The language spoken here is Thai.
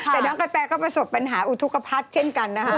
แต่น้องกระแตก็ประสบปัญหาอุทธกภัทรเช่นกันนะคะ